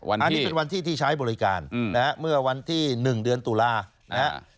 อันนี้เป็นวันที่ที่ใช้บริการนะฮะเมื่อวันที่๑เดือนตุลานะครับ